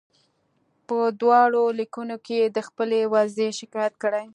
په دواړو لیکونو کې یې د خپلې وضعې شکایت کړی.